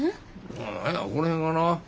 うん何やこの辺がな。